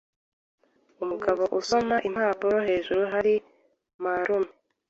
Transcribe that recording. Umugabo usoma impapuro hejuru hari marume.